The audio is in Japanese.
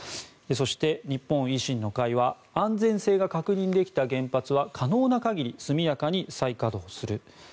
そして、日本維新の会は安全性が確認できた原発は可能な限り速やかに再稼働する。